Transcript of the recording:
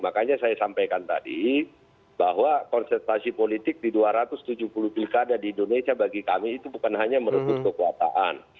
makanya saya sampaikan tadi bahwa konsentrasi politik di dua ratus tujuh puluh pilkada di indonesia bagi kami itu bukan hanya merebut kekuasaan